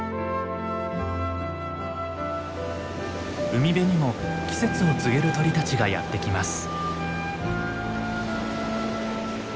海辺にも季節を告げる鳥たちがやって来ます。